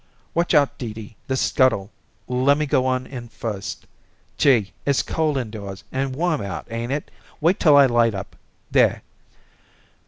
"Watch out, Dee Dee, the scuttle. Lemme go in first. Gee! it's cold indoors and warm out, ain't it? Wait till I light up. There!"